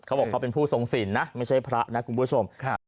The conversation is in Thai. เขาบอกเขาเป็นผู้ทรงสินนะไม่ใช่พระนะคุณผู้ชม